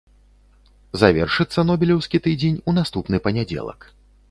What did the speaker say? Завершыцца нобелеўскі тыдзень у наступны панядзелак.